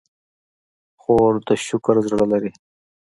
خور د شکر زړه لري.